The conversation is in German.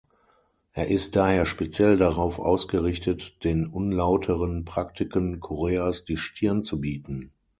Er ist daher speziell darauf ausgerichtet, den unlauteren Praktiken Koreas die Stirn zu bieten.